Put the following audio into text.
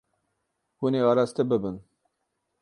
Hûn ê araste bibin.